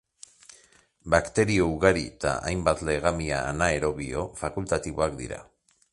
Bakterio ugari eta hainbat legamia anaerobio fakultatiboak dira.